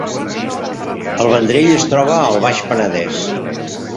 El Vendrell es troba al Baix Penedès